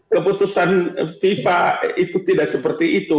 keputusan fifa itu tidak seperti itu